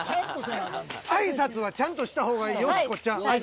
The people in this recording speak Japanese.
挨拶はちゃんとしたほうがいいよしこちゃん。